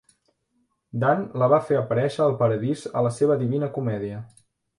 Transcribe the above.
Dant la va fer aparèixer al Paradís a la seva Divina Comèdia.